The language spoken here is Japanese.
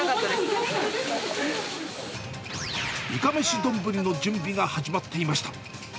いかめしどんぶりの準備が始まっていました。